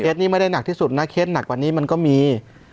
นี้ไม่ได้หนักที่สุดนะเคสหนักกว่านี้มันก็มี